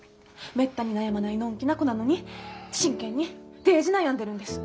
めったに悩まないのんきな子なのに真剣にデージ悩んでるんです。